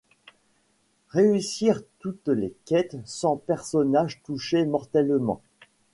Réussir toutes les quêtes sans personnages touchés mortellement.